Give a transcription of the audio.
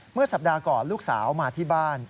เมื่อสัปดาห์ก่อนลูกสาวมาที่บ้าน